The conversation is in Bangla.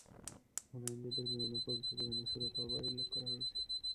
হুনাইন যুদ্ধের বিবরণ পবিত্র কুরআনের সূরা তওবায় উল্লেখিত হয়েছে।